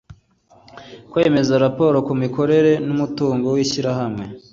kwemeza raporo ku mikorere n umutungo w ishyirahamwe